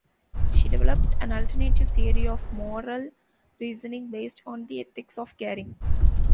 She developed an alternative theory of moral reasoning based on the ethics of caring.